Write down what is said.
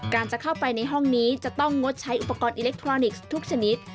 จะเข้าไปในห้องนี้จะต้องงดใช้อุปกรณ์อิเล็กทรอนิกส์ทุกชนิด